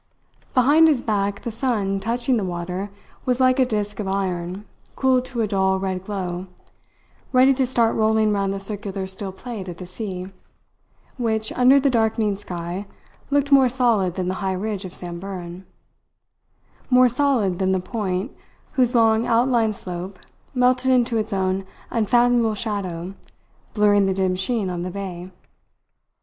Behind his back the sun, touching the water, was like a disc of iron cooled to a dull red glow, ready to start rolling round the circular steel plate of the sea, which, under the darkening sky, looked more solid than the high ridge of Samburan; more solid than the point, whose long outlined slope melted into its own unfathomable shadow blurring the dim sheen on the bay.